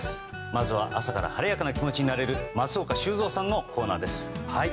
まずは朝から晴れやかな気持ちになれる松岡修造さんのコーナーです。